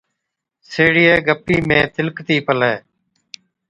سيهڙِيئَي گپِي ۾ تِلڪتِي پلَي،